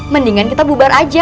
mendingan kita bubar aja